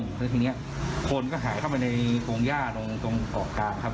คือทีนี้คนก็หายเข้าไปในโค้งหญ้าตรงต่อกลางครับ